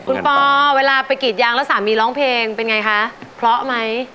คุณปอเวลาไปกรีดยางแล้วสามีร้องเพลงเป็นไงคะเพราะไหม